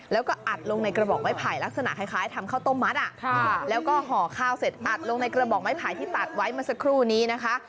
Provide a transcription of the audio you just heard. แล้วก็อัดลงในกระบอกไม้ไผ่ลักษณะคล้ายทำข้าวต้มมัดแล้วก็ห่อข้าวเสร็จอัดลงในกระบอกไม้ไผ่ที่ตัดไว้เมื่อสักครู่นี้นะคะ